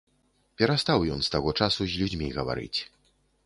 Перастаў ён з таго часу з людзьмі гаварыць.